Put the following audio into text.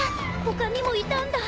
他にもいたんだ。